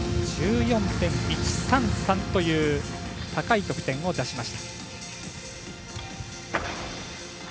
１４．１３３という高い得点を出しました。